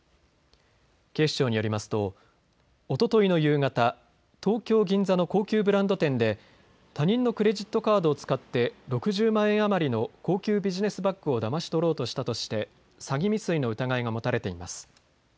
警視庁によりますとおとといの夕方、東京銀座の高級ブランド店で他人のクレジットカードを使って６０万円余りの高級ビジネスバッグをだまし取ろうとしたとして詐欺未遂の疑いが持たれています。